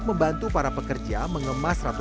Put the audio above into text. kalian puan seseorang selesai